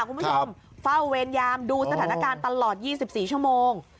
คุณผู้ชมเฝ้าเวรยามดูสถานการณ์ตลอด๒๔ชั่วโมง